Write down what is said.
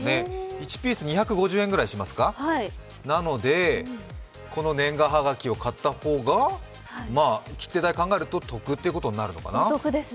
１ピース２５０円ぐらいしますので、この年賀はがきを買った方が切手代を考えるとお得なのかな。